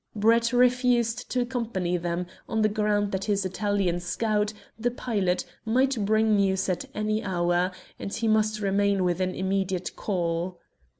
Brett refused to accompany them, on the ground that his Italian scout, the pilot, might bring news at any hour, and he must remain within immediate call.